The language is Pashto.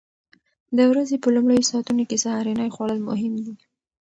د ورځې په لومړیو ساعتونو کې سهارنۍ خوړل مهم دي.